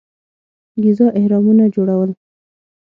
ګیزا اهرامونه جوړول.